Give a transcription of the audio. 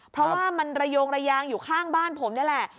เพราะว่ามันระโยงระยางอยู่ข้างบ้านผมนี่แหละ